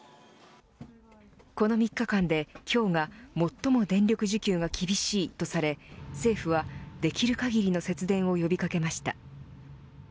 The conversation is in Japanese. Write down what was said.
この３日間で今日が最も電力需給が厳しいとされ政府はできる限りの節電を呼び掛けました。